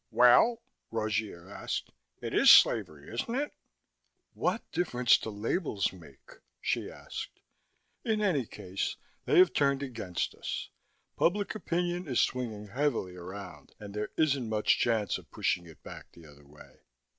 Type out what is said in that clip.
"Well?" Rogier asked. "It is slavery, isn't it?" "What difference do labels make?" she asked. "In any case, they have turned against us. Public opinion is swinging heavily around, and there isn't much chance of pushing it back the other way.